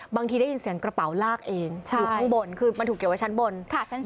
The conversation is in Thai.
ได้ยินเสียงกระเป๋าลากเองอยู่ข้างบนคือมันถูกเก็บไว้ชั้นบน